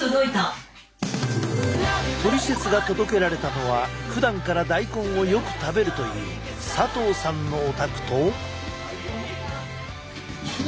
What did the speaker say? トリセツが届けられたのはふだんから大根をよく食べるという佐藤さんのお宅と。